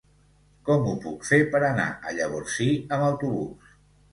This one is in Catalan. Com ho puc fer per anar a Llavorsí amb autobús?